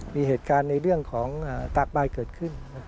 มีเหตุการณ์ในเรื่องของตากบายเกิดขึ้น